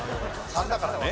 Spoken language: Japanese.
「３だからね」